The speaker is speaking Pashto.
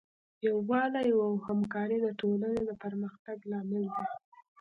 یووالی او همکاري د ټولنې د پرمختګ لامل دی.